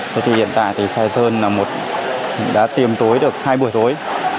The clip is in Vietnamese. thế thì hiện tại thì sài sơn là một đã tiêm tối được hai buổi tối